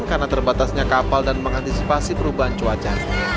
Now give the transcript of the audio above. karena terbatasnya kapal dan mengantisipasi perubahan cuaca